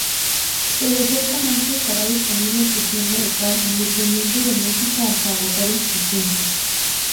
Pero ciertamente estará disponible en tu tienda local independiente de música, hasta agotar existencias.